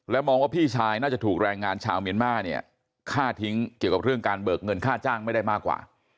มองว่าพี่ชายน่าจะถูกแรงงานชาวเมียนมาร์เนี่ยฆ่าทิ้งเกี่ยวกับเรื่องการเบิกเงินค่าจ้างไม่ได้มากกว่า